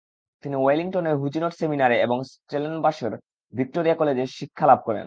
তিনি ওয়েলিংটনের হুজিনট সেমিনারি এবং স্টেলেনবোশের ভিক্টোরিয়া কলেজে শিক্ষালাভ করেন।